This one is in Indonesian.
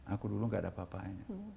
aku dulu nggak ada apa apanya